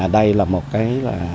đây là một cái